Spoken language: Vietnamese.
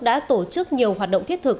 đã tổ chức nhiều hoạt động thiết thực